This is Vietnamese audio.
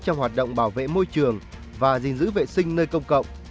trong hoạt động bảo vệ môi trường và gìn giữ vệ sinh nơi công cộng